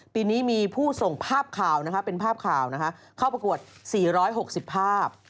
ปีนี้มีผู้ส่งภาพข่าวเป็นภาพข่าวเข้าประกวด๔๖๐ภาพ